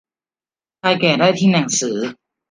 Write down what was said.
ชายแก่ได้ทิ้งหนังสือ